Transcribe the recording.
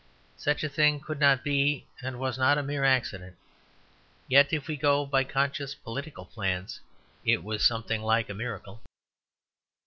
Such a thing could not be and was not a mere accident; yet, if we go by conscious political plans, it was something like a miracle.